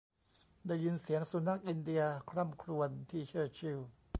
ได้ยินเสียงสุนัขอินเดียคร่ำครวญที่เชอร์ชิลล์